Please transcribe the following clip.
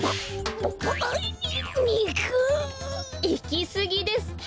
いきすぎです。